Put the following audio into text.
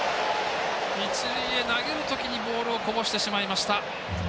一塁へ投げる時にボールをこぼしてしまいました。